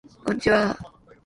こんちはー